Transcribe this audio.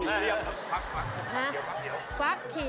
ฟักเขียวฟักเขียว